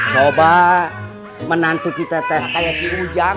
coba menantu kita teh kayak si ujang